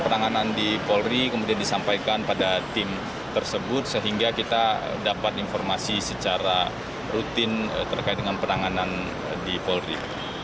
penanganan di polri kemudian disampaikan pada tim tersebut sehingga kita dapat informasi secara rutin terkait dengan penanganan di polri